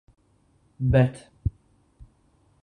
Bet.